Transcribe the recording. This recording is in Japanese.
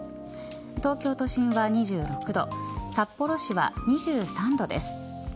東京都心は２６度札幌市は２３度です。